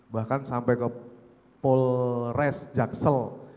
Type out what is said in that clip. bahkan sampai ke polres jaksel